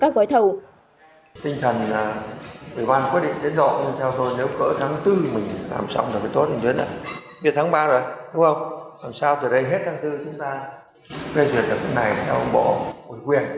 làm sao từ đây hết tháng bốn chúng ta phê duyệt được cái này để ông bộ hội quyền